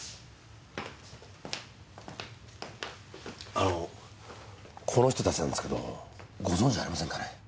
あのこの人たちなんですけどご存じありませんかね？